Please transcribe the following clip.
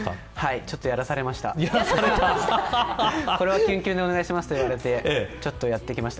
ちょっとやってきました。